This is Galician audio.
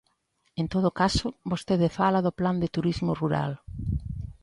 En todo caso, vostede fala do Plan de turismo rural.